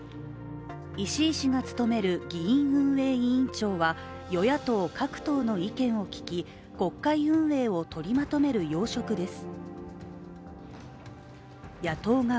石井氏が務める議院運営委員長は与野党各党の意見を聞き、国会運営を取りまとめる要職です。